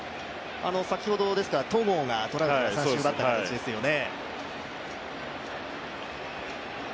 先ほど、戸郷がトラウトから三振を奪った形ですよね。